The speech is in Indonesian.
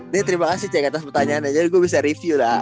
nih terima kasih cek atas pertanyaannya jadi gue bisa review lah